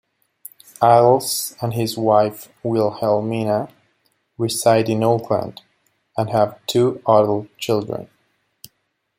Attles and his wife Wilhelmina reside in Oakland and have two adult children.